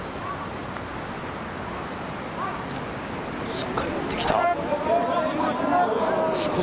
しっかり打ってきた。